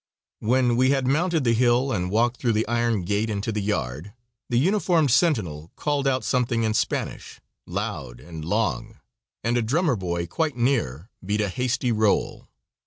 When we had mounted the hill and walked through the iron gate into the yard, the uniformed sentinel called out something in Spanish, loud and long, and a drummer boy quite near beat a hasty roll.